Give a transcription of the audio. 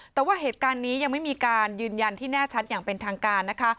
แต่ว่าเหตุการณ์นี้ยังไม่มีการยืนยันที่แน่ชัดอย่างเป็นทางการนะคะ